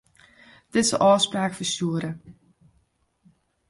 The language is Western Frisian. Dizze ôfspraak ferstjoere.